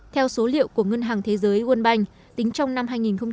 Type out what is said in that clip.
theo số liệu của ngân hàng thế giới world bank tính trong năm hai nghìn một mươi chín